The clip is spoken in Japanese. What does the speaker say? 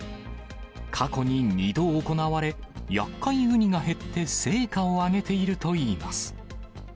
過去に２度行われ、やっかいウニが減って成果を上げているといいます。